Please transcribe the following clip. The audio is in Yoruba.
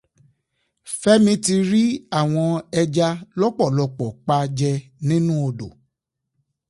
Fẹ́mi ti rí àwọn ẹja lọ́pọ̀lọpọ̀ pa jẹ nínú odò.